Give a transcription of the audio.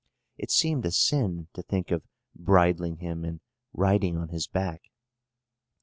It seemed a sin to think of bridling him and riding on his back.